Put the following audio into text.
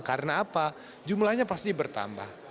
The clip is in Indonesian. karena apa jumlahnya pasti bertambah